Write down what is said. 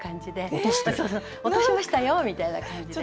「落としましたよ」みたいな感じで。